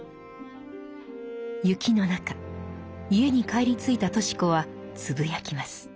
雪の中家に帰りついたとし子はつぶやきます。